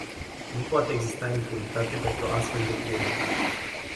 Nu poate exista impunitate pentru astfel de crime.